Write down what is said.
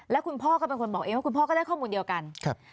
แล้วคุณพ่อก็เป็นคนบอกเองว่าคุณพ่อก็ได้ข้อมูลเดียวกัน